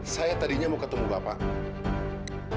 saya tadinya mau ketemu bapak